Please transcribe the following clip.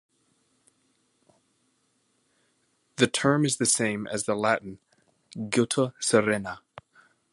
The term is the same as the Latin "gutta serena".